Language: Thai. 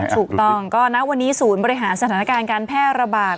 ถูกต้องก็ณวันนี้ศูนย์บริหารสถานการณ์การแพร่ระบาด